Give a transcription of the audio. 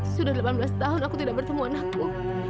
sudah delapan belas tahun aku tidak bertemu anakku